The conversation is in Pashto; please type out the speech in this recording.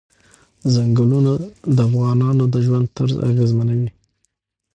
چنګلونه د افغانانو د ژوند طرز اغېزمنوي.